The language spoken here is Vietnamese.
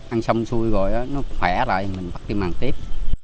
ăn xong xui rồi nó khỏe lại thì mình bắt đi màn tiếp